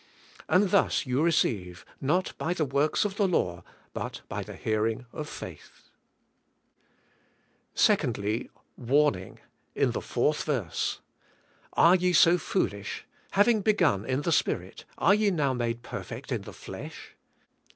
And thus you receive, not by the works of the law but by the hearing of faith. 2nd. Warning in the fourth verse. "Are ye so THE) HOLY SPIRI'T IN GA^ATIANS. lO; foolish, having* beg un in the Spirit are ye now made perfect in the flesh?"